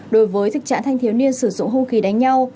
đối với thực trạng thanh thiếu niên sử dụng hung khí đánh nhau